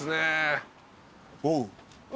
おう。